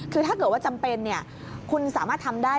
คือถ้าเกิดว่าจำเป็นคุณสามารถทำได้